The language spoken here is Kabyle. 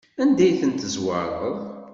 Anda ay tent-tezwareḍ?